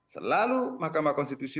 selalu mahkamah konstitusi